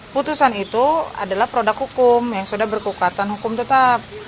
putusan itu adalah produk hukum yang sudah berkekuatan hukum tetap